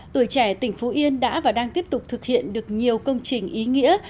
tuổi trẻ tỉnh phú yên đã và đang tiếp tục thực hiện được nhiều công trình ý nghĩa